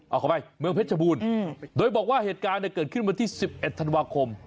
เอาเข้าไปเมืองเพชรบูรณ์โดยบอกว่าเหตุการณ์เกิดขึ้นวันที่๑๑ธันวาคม